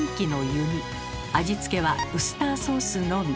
味付けはウスターソースのみ。